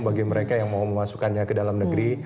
bagi mereka yang mau memasukkannya ke dalam negeri